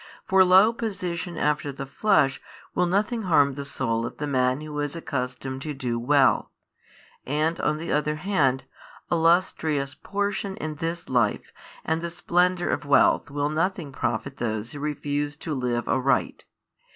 For low position after the flesh will nothing harm the soul of the man who is accustomed to do well, and on the other hand illustrious portion in this life and |597 the splendour of wealth will nothing profit those who refuse to live aright.